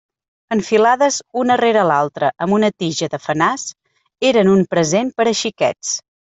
Enfilades una rere l'altra amb una tija de fenàs, eren un present per a xiquets.